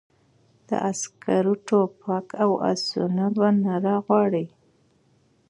د عسکرو ټوپک او آسونه به نه رانه غواړې!